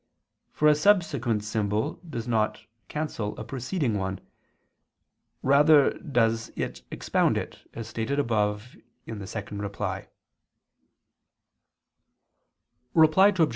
For a subsequent symbol does not cancel a preceding one; rather does it expound it, as stated above (ad 2). Reply Obj.